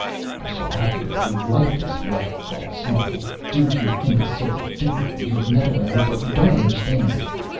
"I shall have to go through life this way," Gault snarled, "due to your imbecilic 'doodling', your meddling with what you don't understand.